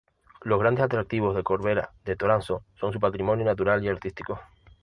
Los grandes atractivos de Corvera de Toranzo son su patrimonio natural y artístico.